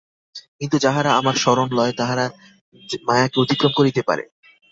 কিন্তু যাহারা আমার শরণ লয়, তাহারা মায়াকে অতিক্রম করিতে পারে।